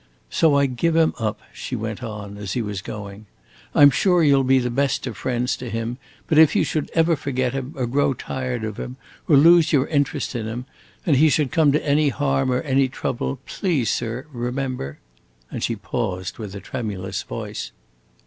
So I give him up," she went on, as he was going. "I 'm sure you 'll be the best of friends to him, but if you should ever forget him, or grow tired of him, or lose your interest in him, and he should come to any harm or any trouble, please, sir, remember" And she paused, with a tremulous voice.